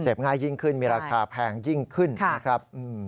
ง่ายยิ่งขึ้นมีราคาแพงยิ่งขึ้นนะครับ